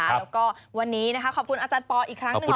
แล้วก็วันนี้นะคะขอบคุณอาจารย์ปอลอีกครั้งหนึ่ง